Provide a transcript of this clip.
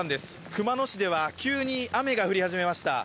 熊野市では急に雨が降り始めました。